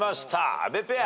阿部ペア。